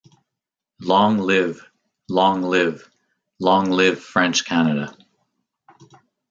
Long live, long live, long live French Canada!